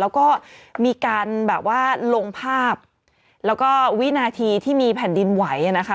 แล้วก็มีการแบบว่าลงภาพแล้วก็วินาทีที่มีแผ่นดินไหวนะคะ